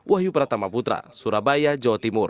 wahyu pratama putra surabaya jawa timur